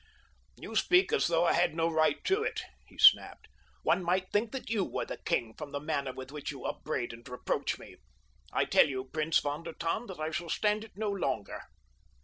"You speak as though I had no right to do it," he snapped. "One might think that you were the king from the manner with which you upbraid and reproach me. I tell you, Prince von der Tann, that I shall stand it no longer."